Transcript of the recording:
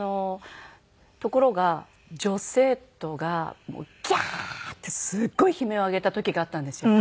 ところが女生徒がもう「ギャー！」ってすごい悲鳴を上げた時があったんですよ。